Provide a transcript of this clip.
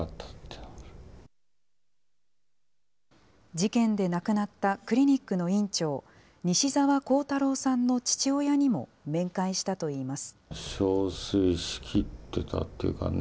事件で亡くなったクリニックの院長、西澤弘太郎さんの父親にも面会したといいます。